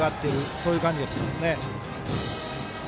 そういう感じがします。